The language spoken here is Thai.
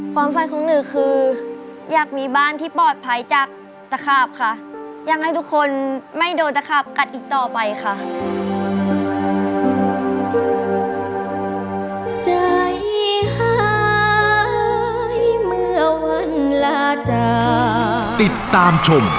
ฝันของหนูคืออยากมีบ้านที่ปลอดภัยจากตะขาบค่ะอยากให้ทุกคนไม่โดนตะขาบกัดอีกต่อไปค่ะ